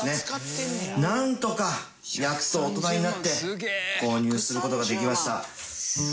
なんとかやっと大人になって購入する事ができました。